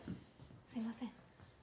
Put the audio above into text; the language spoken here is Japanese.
すいません。